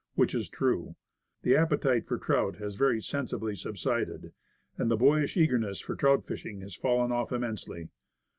Which is true. The appetite for trout has very sensibly subsided, and the boyish eagerness for trout fishing has fallen off immensely.